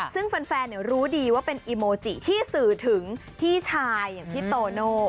ซึ่งแฟนรู้ดีว่าเป็นอีโมจิที่สื่อถึงพี่ชายอย่างพี่โตโน่